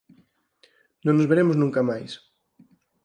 Non nos veremos nunca máis.